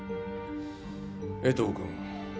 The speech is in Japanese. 江藤君。